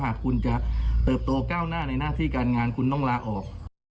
หากคุณจะเติบโตก้าวหน้าในหน้าที่การงานคุณต้องลาออก